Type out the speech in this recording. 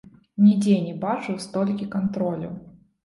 Нідзе не бачыў столькі кантролю.